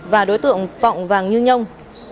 và đối tượng tọng vàng như nhông